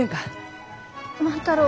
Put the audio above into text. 万太郎。